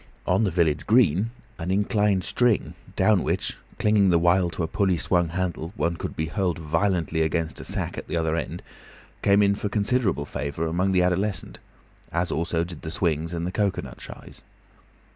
On the village green an inclined strong [rope?], down which, clinging the while to a pulley swung handle, one could be hurled violently against a sack at the other end, came in for considerable favour among the adolescents, as also did the swings and the cocoanut shies.